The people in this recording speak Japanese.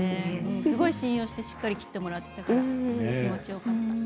すごい信用してしっかり切ってもらったから気持ちよかった。